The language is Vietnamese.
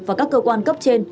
và các cơ quan cấp trên